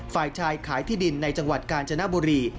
ฝ่ายชายขายที่ดินในจังหวัดกาญจนบุรี